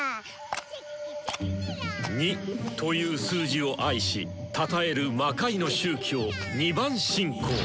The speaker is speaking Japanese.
「２」という数字を愛したたえる魔界の宗教２番信仰。